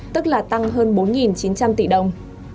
tức là tăng hơn bốn chín trăm linh tỷ đồng